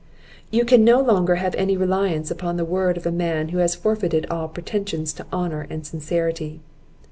"You can no longer have any reliance upon the word of a man who has forfeited all pretensions to honour and sincerity.